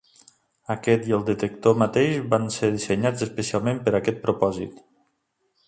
Aquest i el detector mateix van ser dissenyats especialment per a aquest propòsit.